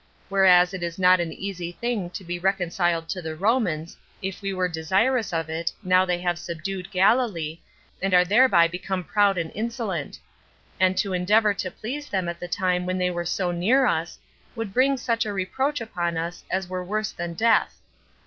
whereas it is not an easy thing to be reconciled to the Romans, if we were desirous of it, now they have subdued Galilee, and are thereby become proud and insolent; and to endeavor to please them at the time when they are so near us, would bring such a reproach upon us as were worse than death.